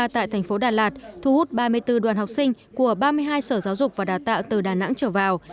tại thành phố đà lạt thu hút ba mươi bốn đoàn học sinh của ba mươi hai sở giáo dục và đào tạo từ đà nẵng trở vào